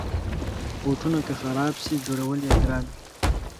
بوټونه که خراب شي، جوړول یې ګرانه وي.